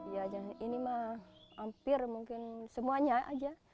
ya ini mah hampir mungkin semuanya aja